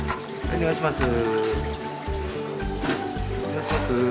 お願いします。